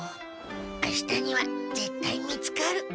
明日にはぜったい見つかる。